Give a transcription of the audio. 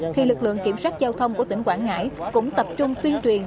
thì lực lượng kiểm soát giao thông của tỉnh quảng ngãi cũng tập trung tuyên truyền